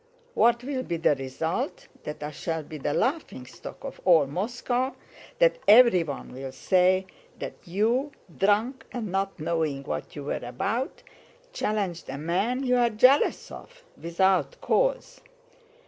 What will be the result? That I shall be the laughingstock of all Moscow, that everyone will say that you, drunk and not knowing what you were about, challenged a man you are jealous of without cause."